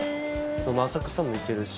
浅草も行けるし。